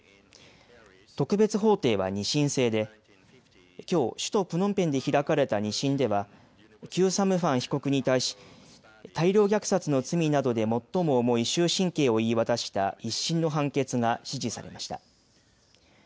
特別法廷は２審制できょう首都プノンペンで開かれた２審ではキュー・サムファン被告に対し大量虐殺の罪などで最も重い終身刑を言い渡した一審の判決が支持されました。